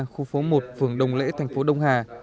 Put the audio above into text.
khu phố một phường đồng lễ thành phố đông hà